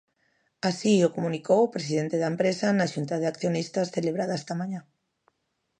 Así o comunicou o presidente da empresa na xunta de accionistas celebrada esta mañá.